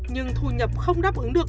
nhưng thu nhập không đáp ứng được